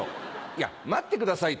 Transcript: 「いや待ってください」と。